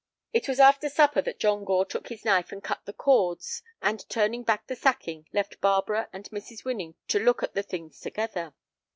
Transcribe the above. It was after supper that John Gore took his knife and cut the cords, and, turning back the sacking, left Barbara and Mrs. Winnie to look at the things together.